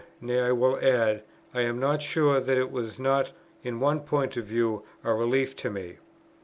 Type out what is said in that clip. Nay, I will add, I am not sure that it was not in one point of view a relief to me.